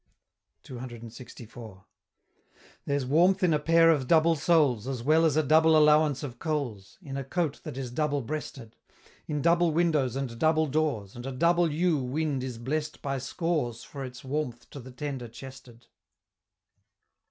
CCLXIV. There's warmth in a pair of double soles; As well as a double allowance of coals In a coat that is double breasted In double windows and double doors; And a double U wind is blest by scores For its warmth to the tender chested.